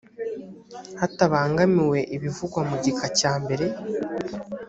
hatabangamiwe ibivugwa mu gika cya mbere